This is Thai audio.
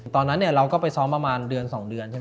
ตอนนั้นเราก็ไปซ้อมประมาณเดือน๒เดือนใช่ไหม